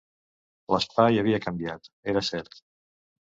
L'espai havia canviat, era cert.